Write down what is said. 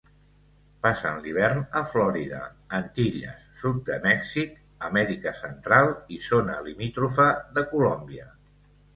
Passen l'hivern a Florida, Antilles, sud de Mèxic, Amèrica Central i zona limítrofa de Colòmbia.